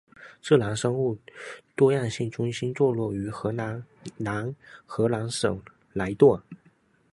自然生物多样性中心座落于荷兰南荷兰省莱顿。